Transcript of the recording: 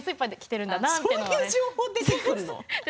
そういう情報出てくるの？